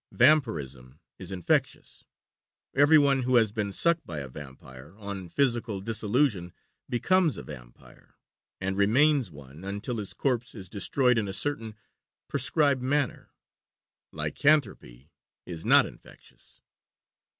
Vampirism is infectious; every one who has been sucked by a vampire, on physical dissolution, becomes a vampire, and remains one until his corpse is destroyed in a certain prescribed manner. Lycanthropy is not infectious.